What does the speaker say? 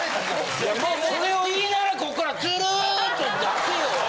それを言いながらこっからトゥルーっと出せよ。